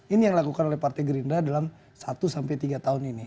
ini yang dilakukan oleh partai gerindra dalam satu sampai tiga tahun ini